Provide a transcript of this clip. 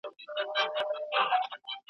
د شته من سړي د کور څنګ ته دباغ وو .